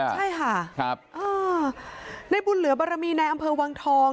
ใช่ค่ะในบุญเหลือบรมีในอำเภอวังทอง